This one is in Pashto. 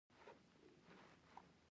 غوا د انساني اړتیاوو لپاره کارېږي.